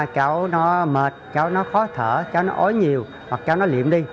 cháu nó mệt cháu nó khó thở cháu nó ối nhiều hoặc cháu nó liệm đi